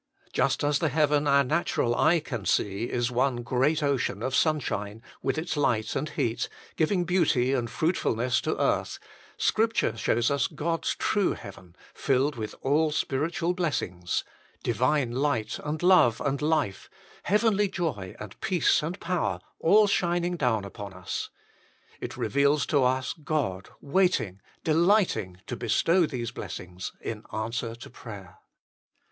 Just as the heaven our natural eye can see is one great ocean of sunshine, with its light and heat, giving beauty and fruitfulness to earth, Scripture shows us God s true heaven, filled with all spiritual bless ings, divine light and love and life, heavenly joy and peace and power, all shining down upon us. It reveals to us God waiting, delighting to bestow these blessings in answer to prayer.